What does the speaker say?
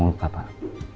produk molpap pak